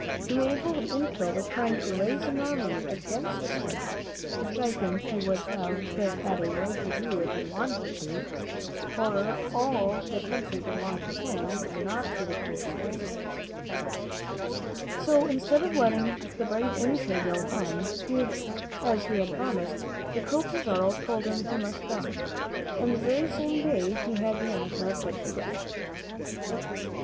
He made believe that the Inca was trying to raise an army against the Spaniards (which I think he would have had a right to do if he wanted to, for, after all, the country belonged to him and not to the cruel Spaniards); so, instead of letting the brave Inca go home, as he had promised, the cruel Pizarro told him he must die, and the very same day he had the Inca put to death.